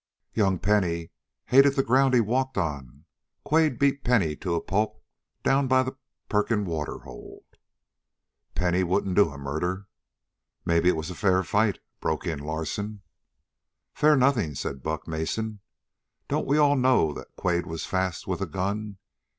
"Young Penny hated the ground he walked on. Quade beat Penny to a pulp down by the Perkin water hole." "Penny wouldn't do a murder." "Maybe it was a fair fight," broke in Larsen. "Fair nothin'," said Buck Mason. "Don't we all know that Quade was fast with a gun?